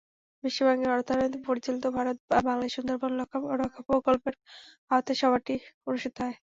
বিশ্বব্যাংকের অর্থায়নে পরিচালিত ভারত-বাংলাদেশ সুন্দরবন রক্ষা প্রকল্পের আওতায় সভাটি অনুষ্ঠিত হয়।